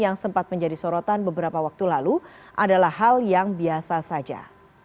yang sempat menjadi sorotan beberapa waktu lalu adalah hal yang biasa saja